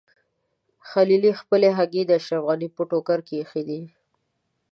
خلیلي خپلې هګۍ د اشرف غني په ټوکرۍ کې ایښي دي.